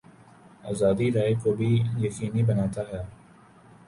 آزادیٔ رائے کو بھی یقینی بناتا ہے۔